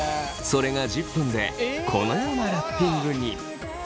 それが１０分でこのようなラッピングに。